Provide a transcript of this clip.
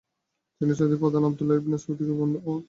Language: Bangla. তিনি সৌদি প্রধান আবদুল্লাহ ইবনে সৌদকে বন্দী করতে সক্ষম হন।